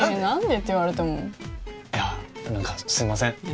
何でって言われてもいや何かすいません